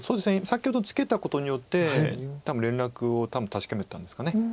先ほどツケたことによって多分連絡を確かめたんですかね。